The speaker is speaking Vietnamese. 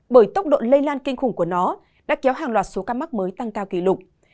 bởi tốc độ lây lan kinh khủng của nó đã kéo hàng loạt số ca mắc mới tăng cao kỷ lục